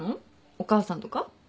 お母さんとか？